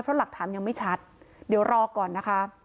เพราะหลักฐานยังไม่ชัดเดี๋ยวรอก่อนนะคะ